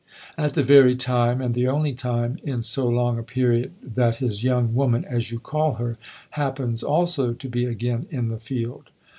" At the very time, and the only time, in so long a period that his young woman, as you call her, happens also to be again in the field